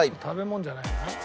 食べ物じゃないな。